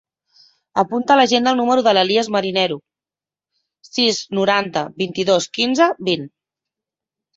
Apunta a l'agenda el número de l'Elías Merinero: sis, noranta, vint-i-dos, quinze, vint.